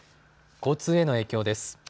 交通への影響です。